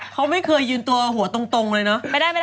เขาไม่เคยยืนตัวหัวตรงเลยเนอะ